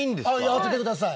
当ててください。